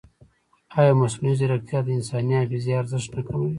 ایا مصنوعي ځیرکتیا د انساني حافظې ارزښت نه کموي؟